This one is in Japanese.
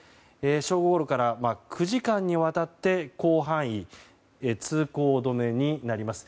正午ごろから９時間にわたって広範囲に通行止めになります。